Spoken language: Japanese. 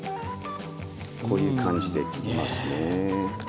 こういう感じで切りますね。